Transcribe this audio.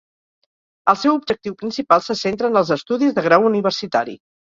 El seu objectiu principal se centra en els estudis de grau universitari.